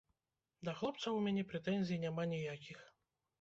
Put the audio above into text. Да хлопцаў у мяне прэтэнзій няма ніякіх.